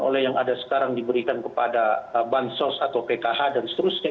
oleh yang ada sekarang diberikan kepada bansos atau pkh dan seterusnya